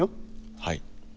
はい。